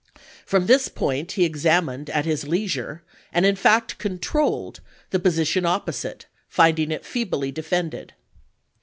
From this point he examined at his leisure, and in fact controlled, the position opposite, finding it feebly defended.